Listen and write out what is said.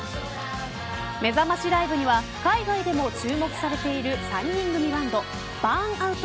めざましライブには海外でも注目されている３人組バントＢＵＲＮＯＵＴ